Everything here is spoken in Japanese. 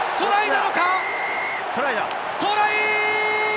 トライだ！